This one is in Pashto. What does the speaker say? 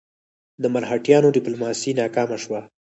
د مرهټیانو ډیپلوماسي ناکامه شوه.